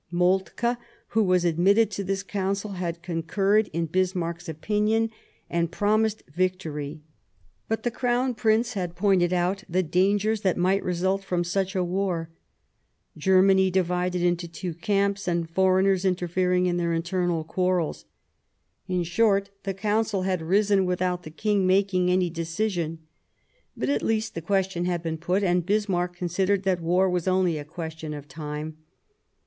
Moltke, who was admitted to this Council, had concurred in Bismarck's opinion, and promised victory ; but the Crown Prince had pointed out the dangers that might result from such a war — Germany divided into two camps and foreigners interfering in their internal quarrels. In short, the Council had risen without the King making any decision. But, at least, the question had been put, and Bismarck considered that war was " only a question of time."